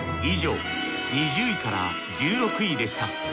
以上２０位から１６位でした。